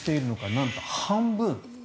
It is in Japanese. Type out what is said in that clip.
なんと半分。